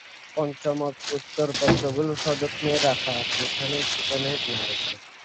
পঞ্চমত, উত্তরপত্রগুলো সযত্নে রাখা, যেখানে সেখানে না রেখে।